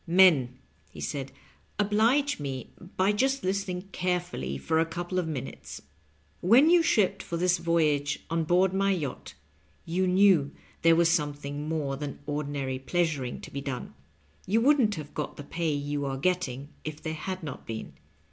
"Men," he said, "oblige me by just listening carefully for a couple of minutes. When you shipped for this voyage on board my yacht you knew there was something more than ordinary pleasuring to be done. Tou wouldn't have got the pay you are get ting if there had not been.